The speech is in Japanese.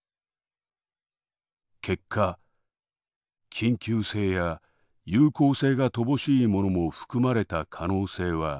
結果緊急性や有効性が乏しいものも含まれた可能性は否めない」。